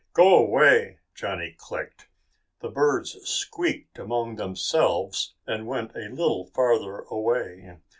"Go away!" Johnny clicked. The birds squeaked among themselves and went a little farther away.